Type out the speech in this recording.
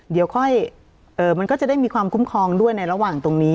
เดี๋ยวค่อยมันก็จะได้มีความคุ้มครองด้วยในระหว่างตรงนี้